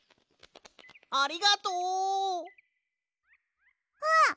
ありがとう！あっ！